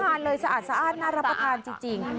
พร้อมทานเลยสะอาดสะอาดน่ารับประทานจริง